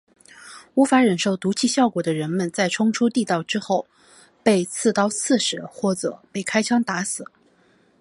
无法忍受毒气效果的人们在冲出地道口之后被刺刀刺死或者被开枪打死。